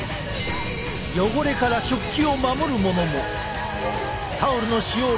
汚れから食器を守るものも。